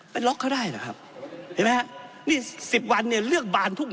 ล็อกเขาได้เหรอครับเห็นไหมฮะนี่สิบวันเนี่ยเลือกบานทุ่ม